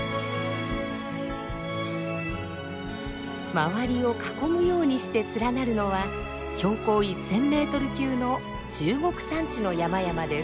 まわりを囲むようにして連なるのは標高１，０００ｍ級の中国山地の山々です。